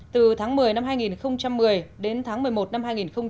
từ tháng một mươi năm hai nghìn một mươi đến tháng một mươi một năm hai nghìn một mươi chín